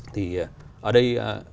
thì ở đây